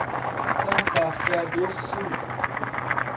Santa Fé do Sul